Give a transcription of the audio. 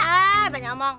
hai banyak omong